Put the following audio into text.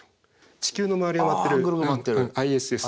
地球の周りを回ってるＩＳＳ。